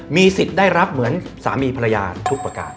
มีสิทธิ์ได้รับเหมือนสามีภรรยาทุกประการ